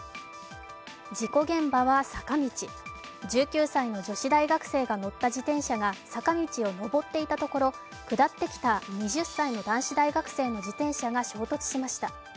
事故現場は坂道、１９歳の女子大学生が乗った自転車が坂道を上っていたところ、下ってきた２０歳の男子大学生の自転車が衝突しました。